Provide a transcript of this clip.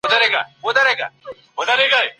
شدیده سالنډۍ لرونکي ناروغان حساسیت لري.